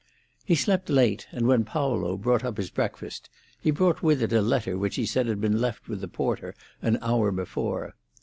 He slept late, and when Paolo brought up his breakfast, he brought with it a letter which he said had been left with the porter an hour before.